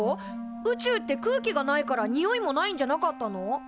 宇宙って空気がないからにおいもないんじゃなかったの？